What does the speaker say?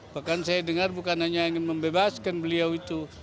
bahkan saya dengar bukan hanya ingin membebaskan beliau itu